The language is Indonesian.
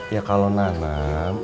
ya kalau nanam